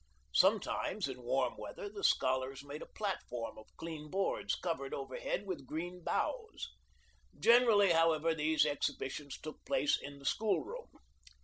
Sometimes, in warm weather, the scholars made a platform of clean boards covered over head with green boughs. Generally, however, these exhibitions took place in the school room.